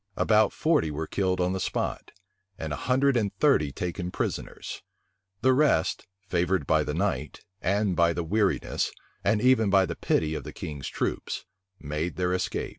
About forty were killed on the spot, and a hundred and thirty taken prisoners. The rest, favored by the night, and by the weariness, and even by the pity of the king's troops, made their escape.